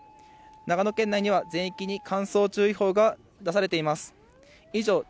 長野県内には全域に乾燥注意報が出されています。